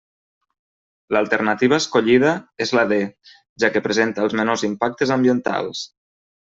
L'alternativa escollida és la D, ja que presenta els menors impactes ambientals.